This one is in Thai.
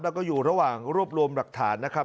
แล้วก็อยู่ระหว่างรวบรวมหลักฐานนะครับ